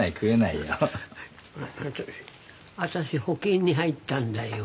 あたし保険に入ったんだよ。